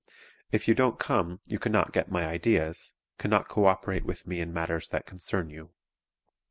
If you don't come, you cannot get my ideas, cannot coöperate with me in matters that concern you.